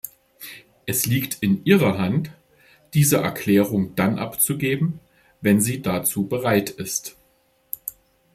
Es liegt in ihrer Hand, diese Erklärung dann abzugeben, wenn sie dazu bereit ist.